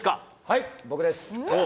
はい僕です